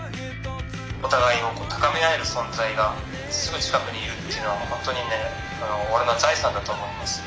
「お互いを高め合える存在がすぐ近くにいるというのはほんとにね俺の財産だと思います。